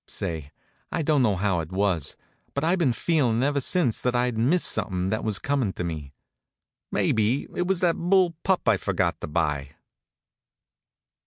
Say, I don't know how it was, but I've been feelin' ever since that I'd missed somethin' that was comin' to me. Maybe it was that bull pup I forgot to buy.